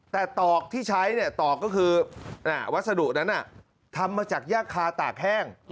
แต่ตอกที่ใช้ตอกก็คือวัสดุนั้นทำมาจากยากคาตากแห้ง